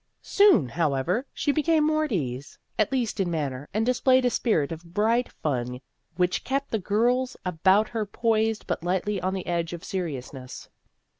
Soon, how ever, she became more at ease, at least in manner, and displayed a spirit of bright fun which kept the girls about her poised but lightly on the edge of seriousness.